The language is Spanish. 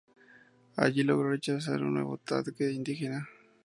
Allí logró rechazar un nuevo ataque indígena.